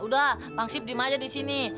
udah pangsip dimajah di sini